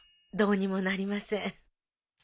どうにもなりません。